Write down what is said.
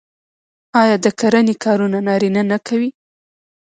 آیا د کرنې کارونه نارینه نه کوي؟